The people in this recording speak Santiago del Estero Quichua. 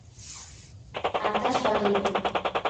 atashpa tullun